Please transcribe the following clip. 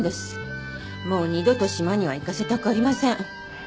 もう二度と島には行かせたくありません。